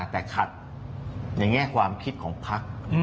แต่ขัดในแง่ความคิดของพัก